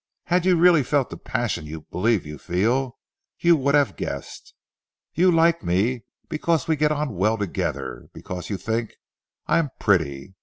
Had you really felt the passion you believe you feel, you would have guessed. You like me because we get on well together; because you think I am pretty."